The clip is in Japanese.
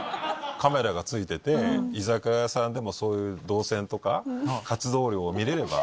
カメラが付いてて居酒屋さんでもそういう動線とか活動量を見れれば。